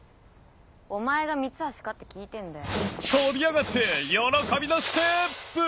お前が三橋かって聞いてんだよ。